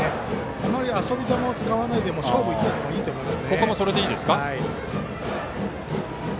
あまり遊び球を使わないで勝負に行ってもいいと思います。